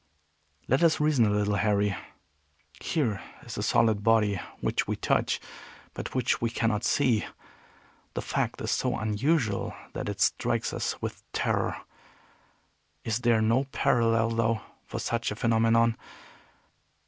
"Let us reason a little, Harry. Here is a solid body which we touch, but which we cannot see. The fact is so unusual that it strikes us with terror. Is there no parallel, though, for such a phenomenon?